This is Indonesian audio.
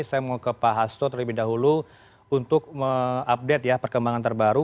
saya mau ke pak hasto terlebih dahulu untuk mengupdate ya perkembangan terbaru